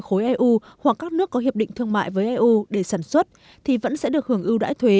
khối eu hoặc các nước có hiệp định thương mại với eu để sản xuất thì vẫn sẽ được hưởng ưu đãi thuế